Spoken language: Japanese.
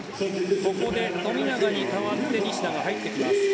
ここで富永に代わって西田が入ってきます。